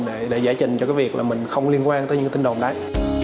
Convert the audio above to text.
để giải trình cho cái việc là mình không liên quan tới những cái tin đồn đấy